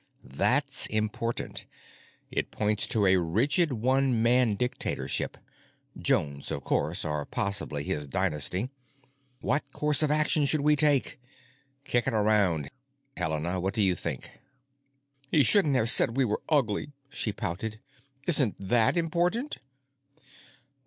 That's important. It points to a rigid one man dictatorship—Jones, of course, or possibly his dynasty. What course of action should we take? Kick it around. Helena, what do you think?" "He shouldn't have said we were ugly," she pouted. "Isn't that important?"